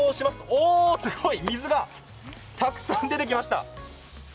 おお、すごい！水がたくさん出てきました。